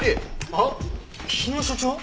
あっ日野所長？